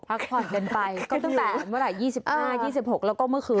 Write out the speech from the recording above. พักผ่อนกันไปก็ตั้งแต่เมื่อไหร๒๕๒๖แล้วก็เมื่อคืน